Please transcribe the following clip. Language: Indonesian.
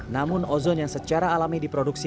namun ozon yang secara alami diproduksi